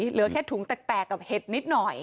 เหลือแค่ถุงแตกกับเห็ดนิดหน่อย